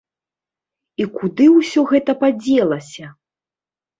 І куды ўсё гэта падзелася?